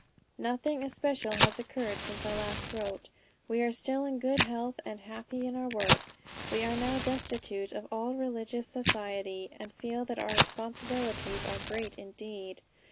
"Nothing especial has occurred since I last wrote. We are still in good health, and happy in our work. We are now destitute of all religious society, and feel that our responsibilities are great indeed....